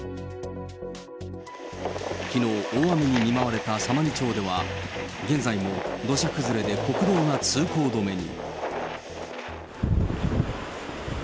きのう、大雨に見舞われた様似町では、現在も土砂崩れで国道が通行止めに。